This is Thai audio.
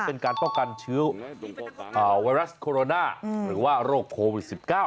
เป็นการเป้าการชิ้วไวรัสโคโรนาหรือว่ารโรคคอวิด๑๙